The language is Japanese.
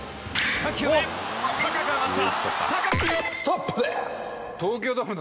３球目高く上がった。